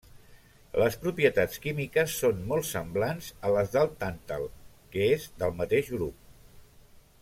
Les propietats químiques són molt semblants a les del tàntal, que és del mateix grup.